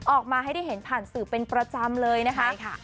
ออกมาให้ได้เห็นผ่านสื่อเป็นประจำเลยนะคะใช่ค่ะ